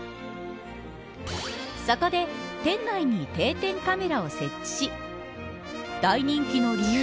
そこで店内に定点カメラを設置し大人気の理由